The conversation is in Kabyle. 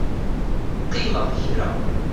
Qqimeɣ kra.